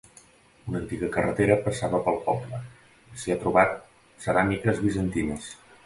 Una antiga carretera passava pel poble, i s'hi ha trobat ceràmiques bizantines.